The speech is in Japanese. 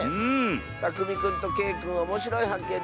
たくみくんとけいくんおもしろいはっけん